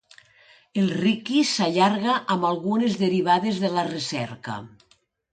El Riqui s'allarga amb algunes derivades de la recerca.